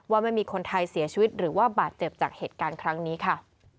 ว่าไม่มีคนไทยเสียชีวิตหรือว่าบาดเจ็บจากเหตุการณ์ครั้งนี้ค่ะ